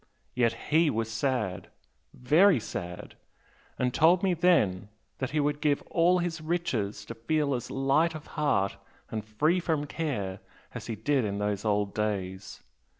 Yet HE was sad! very sad! and told me then that he would give all his riches to feel as light of heart and free from care as he did in those old days!